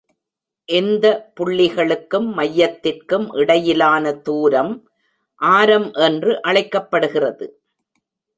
எந்த புள்ளிகளுக்கும் மையத்திற்கும் இடையிலான தூரம் ஆரம் என்று அழைக்கப்படுகிறது.